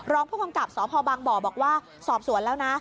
รองผู้กำกับสพบางบ่อบอกว่าสอบสวนแล้วนะ